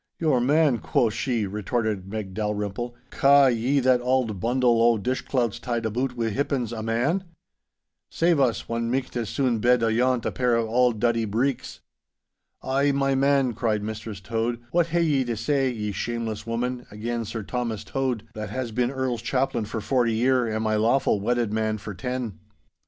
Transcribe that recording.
'Your "man," quo' she,' retorted Meg Dalrymple, 'ca' ye that auld bundle o' dish clouts tied aboot wi' hippens—a man! Save us, one micht as soon bed ayont a pair of auld duddy breeks!' 'Ay, my man,' cried Mistress Tode, 'what hae ye to say, ye shameless woman, again Sir Thomas Tode, that has been Earl's chaplain for forty year and my lawfu' wedded man for ten?